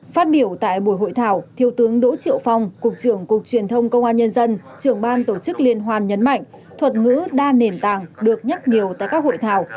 phát biểu tại buổi hội thảo thiếu tướng đỗ triệu phong cục trưởng cục truyền thông công an nhân dân trưởng ban tổ chức liên hoan nhấn mạnh thuật ngữ đa nền tảng được nhắc nhiều tại các hội thảo